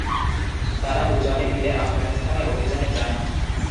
তারা দু'জনে মিলে আফগানিস্তানে অভিযানে যান।